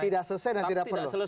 tidak selesai dan tidak perlu